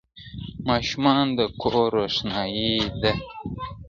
ماشومان د کور روښنايي ده.